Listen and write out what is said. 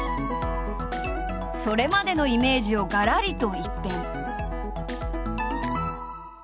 それまでのイメージをがらりと一変。